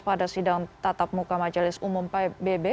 pada sidang tatap muka majelis umum pbb